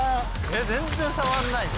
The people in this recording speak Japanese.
全然触んないで。